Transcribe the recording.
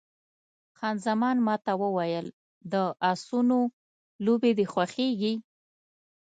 خان زمان ما ته وویل، د اسونو لوبې دې خوښېږي؟